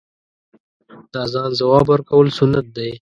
د اذان ځواب ورکول سنت دی .